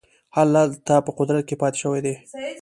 هلته په قدرت کې پاته شوي دي.